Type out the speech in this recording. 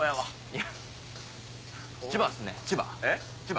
いや千葉っすね千葉。